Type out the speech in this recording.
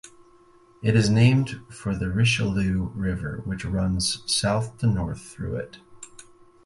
It is named for the Richelieu River which runs south-north through it.